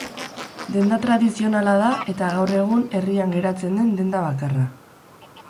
Denda tradizionala da eta gaur egun herrian geratzen den denda bakarra.